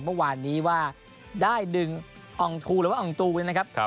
เมื่อวานนี้ว่าได้ดึงองค์๒หรือว่าองค์๒นะครับ